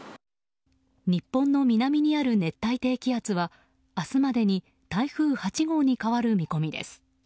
日本の南にある熱帯低気圧は明日までに台風８号に変わる見込みです。